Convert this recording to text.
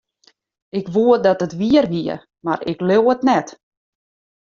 Ik woe dat it wier wie, mar ik leau it net.